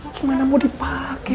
gimana mau dipake